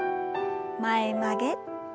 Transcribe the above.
前曲げ。